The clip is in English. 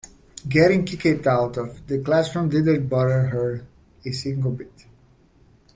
Getting kicked out of the classroom didn't bother her a single bit.